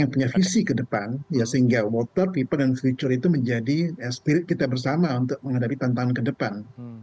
dan mencari efisi kedepan ya sehingga water people and future itu menjadi spirit kita bersama untuk menghadapi tantangan kedepan